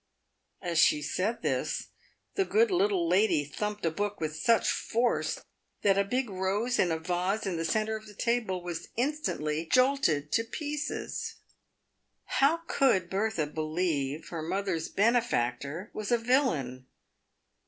As she said this, the good little lady thumped a book with such force that a big rose in a vase in the centre of the table was instantly jolted to pieces. How could Bertha believe her mother's benefactor was a villain